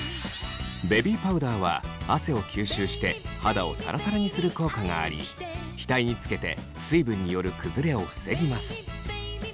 ベビーパウダーは汗を吸収して肌をさらさらにする効果があり額につけて水分による崩れを防ぎます。